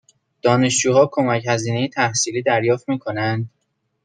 دانشجوها کمک هزینه تحصیلی دریافت می کنند؟